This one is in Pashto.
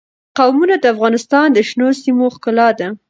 قومونه د افغانستان د شنو سیمو ښکلا ده.